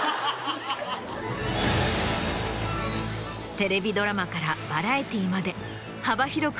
テレビドラマからバラエティーまで幅広く